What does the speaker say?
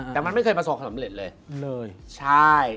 แต่มันไม่เคยประสงค์สำเร็จเลย